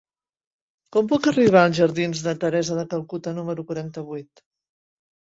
Com puc arribar als jardins de Teresa de Calcuta número quaranta-vuit?